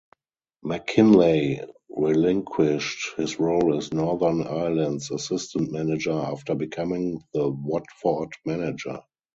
McKinlay relinquished his role as Northern Ireland's assistant manager after becoming the Watford manager.